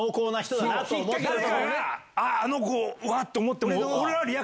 あの子うわっ！と思っても。